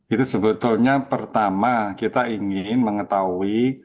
itu sebetulnya pertama kita ingin mengetahui